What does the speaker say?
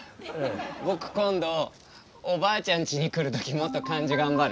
僕今度おばあちゃんちに来るときもっと漢字頑張る。